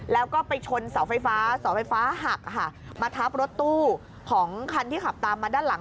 แล้วก็ไปชนเสาไฟฟ้าเสาไฟฟ้าหักค่ะมาทับรถตู้ของคันที่ขับตามมาด้านหลัง